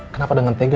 kenapa dengan tega